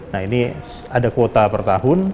nah ini ada kuota per tahun